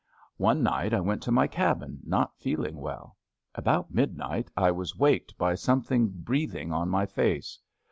One night I went to my cabin not feeling well. About midnight I was waked by something breath ing on my face.